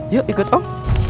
yuk ikut om